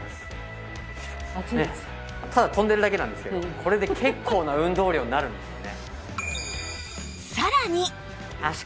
ただ跳んでいるだけなんですけどこれで結構な運動量になるんですよね。